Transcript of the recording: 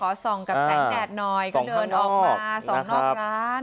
ส่องกับแสงแดดหน่อยก็เดินออกมาส่องนอกร้าน